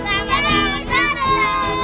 selamat tahun baru